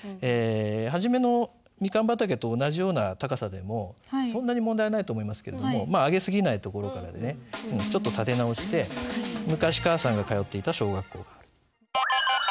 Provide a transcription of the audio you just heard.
初めの「蜜柑畑」と同じような高さでもそんなに問題ないと思いますけれどもまあ上げ過ぎないところでちょっと立て直して「昔母さんが通っていた小学校がある」。